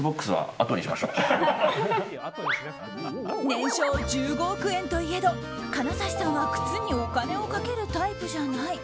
年商１５億円といえど金指さんは靴にお金をかけるタイプじゃない。